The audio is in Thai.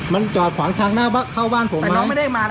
แล้วผมจะเข้าบ้านยังไง